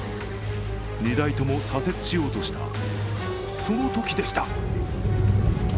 ２台とも左折しようとしたそのときでした。